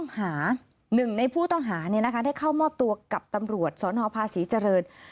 หนึ่งในผู้ต้องหาได้เข้ามอบตัวกับตำรวจสนภาษีเจริญ